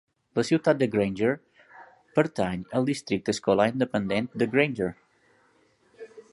La ciutat de Granger pertany al districte escolar independent de Granger.